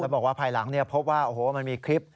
บอกว่าภายหลังพบว่าโอ้โหมันมีคลิป